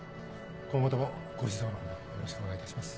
今後ともご指導のほどよろしくお願いいたします。